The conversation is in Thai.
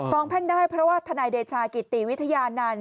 ฟ้องแพงได้เพราะว่าทนายเดชากิตตีวิทยานั่น